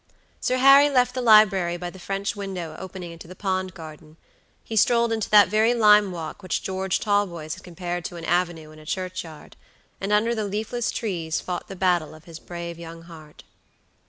Sir Harry left the library by the French window opening into the pond garden. He strolled into that very lime walk which George Talboys had compared to an avenue in a churchyard, and under the leafless trees fought the battle of his brave young heart.